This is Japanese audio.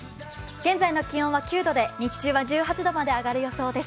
現在の気温は９度で日中は１８度まで上がる予想です。